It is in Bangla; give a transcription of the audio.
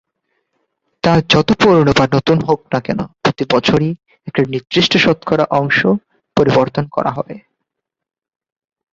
তা যত পুরানো বা নতুন হোক না কেন প্রতি বছরই একটি নির্দিষ্ট শতকরা অংশ পরিবর্তন করা হবে।